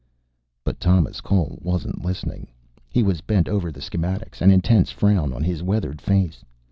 But Thomas Cole wasn't listening. He was bent over the schematics, an intense frown on his weathered face.